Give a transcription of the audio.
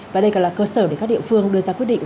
và đây còn là cơ sở để các địa phương đưa ra quyết định